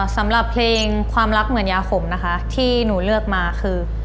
สำหรับเพลงความรักเหมือนยาขมนะคะที่หนูเลือกมาคือ